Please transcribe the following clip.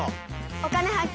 「お金発見」。